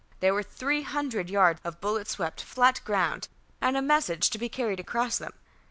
There were three hundred yards of bullet swept flat ground, and a message to be carried across them.